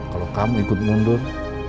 kalau kamu ikut mundur